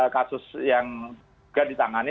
kasus yang tidak ditangani